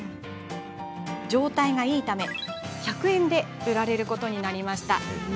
状態がいいため、１００円で売られることになりました。